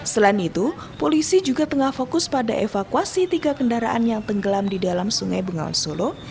selain itu polisi juga tengah fokus pada evakuasi tiga kendaraan yang tenggelam di dalam sungai bengawan solo